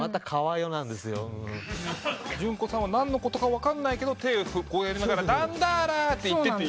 Ｊｕｎｋｏさんは何のことか分かんないけど手こうやりながら「だんだら」って言ってと。